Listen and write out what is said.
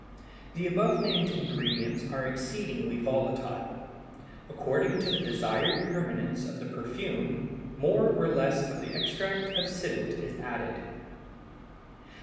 The above named ingredients are exceedingly volatile; according to the desired permanence of the perfume, more or less of the extract of civet is added.